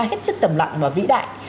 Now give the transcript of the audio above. hết sức thầm lặng và vĩ đại